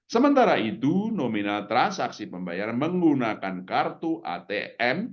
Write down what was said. sementara itu nominal transaksi pembayaran menggunakan kartu atm